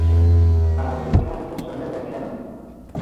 ئاگرەکان تەشەنە دەکەن.